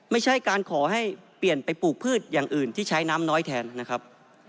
ไม่ใช่การขอให้เปลี่ยนไปปลูกพืชอย่างอื่นที่ใช้น้ำน้อยแทนนะครับ